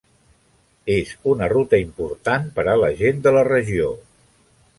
És una ruta important per a la gent de la regió.